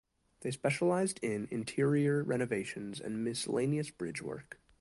They specialized in interior renovations and miscellaneous bridge work.